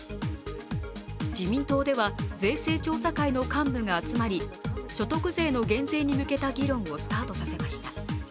自民党では税制調査会の幹部が集まり所得税の減税に向けた議論をスタートさせました。